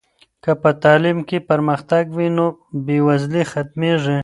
که په تعلیم کې پرمختګ وي نو بې وزلي ختمېږي.